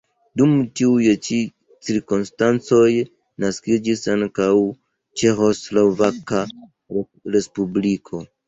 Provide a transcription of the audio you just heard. Dum tiuj ĉi cirkonstancoj naskiĝis ankaŭ Ĉeĥoslovaka respubliko.